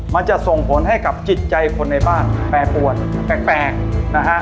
มันจะส่งผลให้กับจิตใจคนในบ้านแปรปวนแปลกนะฮะ